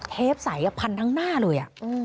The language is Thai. เทปใสพันทั้งหน้าเลย